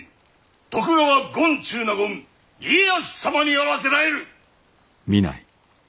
徳川権中納言家康様にあらせられる！